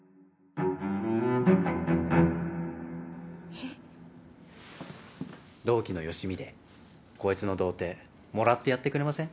えっ⁉同期のよしみでこいつの童貞もらってやってくれません？